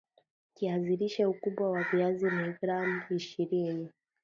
Kiazi lishe ukubwa wa viazi ni gram ishirni